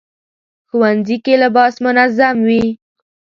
ښوونځی کې لباس منظم وي